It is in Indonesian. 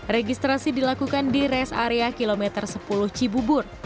registrasi dilakukan di res area kilometer sepuluh cibubur